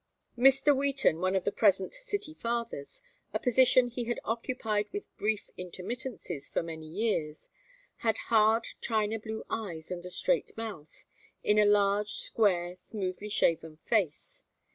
Mr. Wheaton, one of the present "City Fathers," a position he had occupied with brief intermittences for many years, had hard china blue eyes and a straight mouth, in a large square smoothly shaven face.